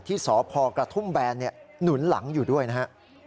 ที่สพกระทุ่มแบนหนุนหลังอยู่ด้วยนะฮะ